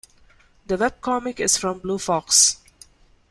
The webcomic is from BlueFox.